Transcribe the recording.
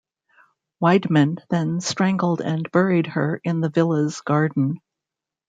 Weidmann then strangled and buried her in the villa's garden.